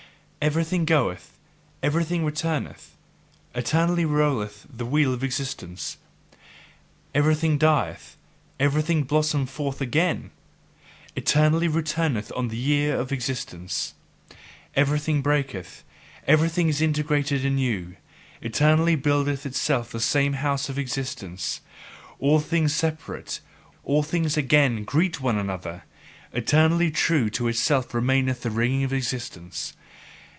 Everything goeth, everything returneth; eternally rolleth the wheel of existence. Everything dieth, everything blossometh forth again; eternally runneth on the year of existence. Everything breaketh, everything is integrated anew; eternally buildeth itself the same house of existence. All things separate, all things again greet one another; eternally true to itself remaineth the ring of existence.